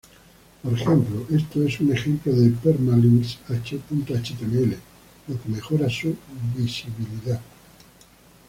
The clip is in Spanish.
Por ejemplo, "esto-es-un-ejemplo-de-permalinks.html", lo que mejora su visibilidad.